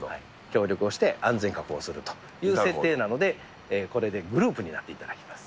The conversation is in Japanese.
協力をして安全確保をするという設定なので、これでグループになっていただきます。